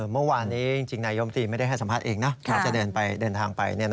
เมื่อวานนี้จริงนายมตรีไม่ได้ให้สัมภาษณ์เองนะจะเดินทางไป